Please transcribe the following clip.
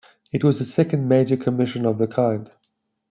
It was the second major commission of the kind.